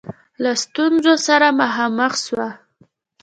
له ستونزو سره مخامخ سوه.